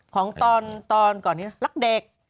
ของตอนก่อนนี้รักเด็ก